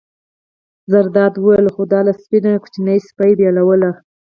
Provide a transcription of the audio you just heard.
زرداد وویل: خو دا له سپۍ نه کوچنی سپی بېلول.